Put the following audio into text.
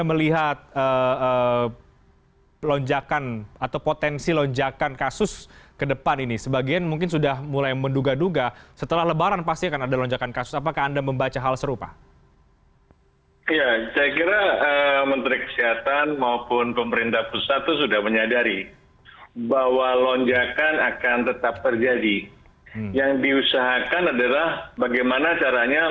maka dengan ditemukan adanya